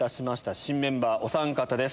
新メンバーおさん方です